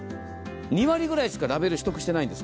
２割くらいしかラベル、取得していないんです。